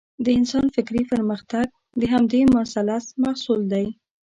د انسان فکري پرمختګ د همدې مثلث محصول دی.